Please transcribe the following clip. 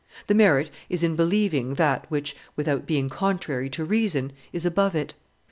The merit is in believing that which, without being contrary to reason, is above it.